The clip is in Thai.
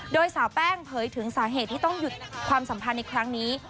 โดยสาวแป้งเผยถึงสาเหตุที่ต้องหยุดความสัมพันธ์ในครั้งนี้